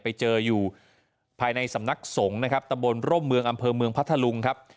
ไปเจออยู่ภายในสำนักสงฆ์นะครับตะบนร่มเมืองอำเภอเมืองพัทธลุงครับ